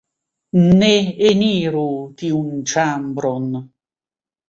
Ne eniru tiun ĉambron...